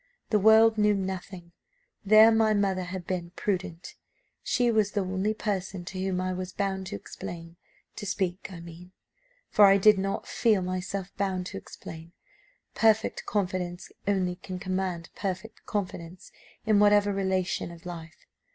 The world knew nothing; there my mother had been prudent. She was the only person to whom I was bound to explain to speak, I mean, for I did not feel myself bound to explain. Perfect confidence only can command perfect confidence in whatever relation of life.